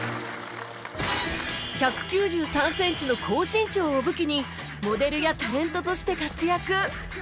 １９３センチの高身長を武器にモデルやタレントとして活躍